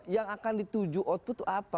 yang akan dituju output itu apa